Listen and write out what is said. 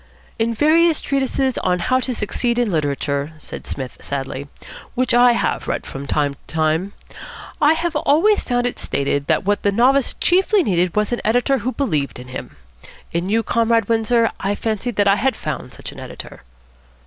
"In various treatises on 'How to Succeed in Literature,'" said Psmith sadly, "which I have read from time to time, I have always found it stated that what the novice chiefly needed was an editor who believed in him. In you, Comrade Windsor, I fancied that I had found such an editor."